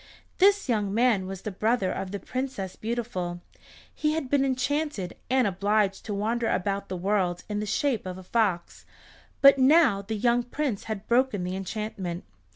This young man was the brother of the Princess Beautiful. He had been enchanted, and obliged to wander about the world in the shape of a fox, but now the young Prince had broken the enchantment.